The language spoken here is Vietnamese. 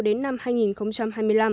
đến năm hai nghìn hai mươi năm